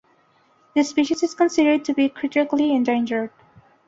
The species is considered to be Critically Endangered.